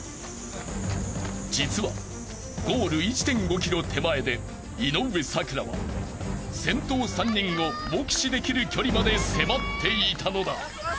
［実はゴール１．５ｋｍ手前で井上咲楽は先頭３人を目視できる距離まで迫っていたのだ］